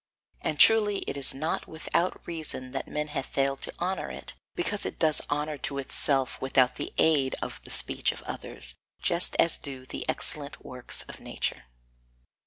And truly it is not without reason that men have failed to honour it, because it does honour to itself without the aid of the speech of others, just as do the excellent works of nature.